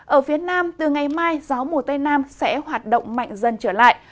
ở phía nam từ ngày mai gió mùa tây nam sẽ hoạt động mạnh dần trở lại